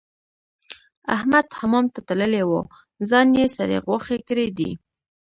احمد حمام ته تللی وو؛ ځان يې سرې غوښې کړی دی.